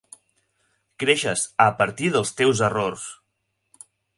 Creixes a partir dels teus errors.